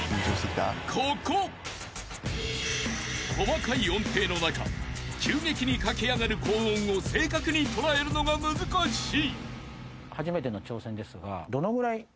［細かい音程の中急激に駆け上がる高音を正確に捉えるのが難しい］